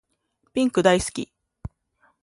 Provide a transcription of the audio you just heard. ピンク大好き